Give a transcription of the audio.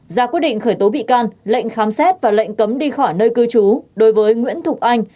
ra quyết định khởi tố bị can lệnh khám xét và lệnh cấm đi khỏi nơi cư trú đối với nguyễn thục anh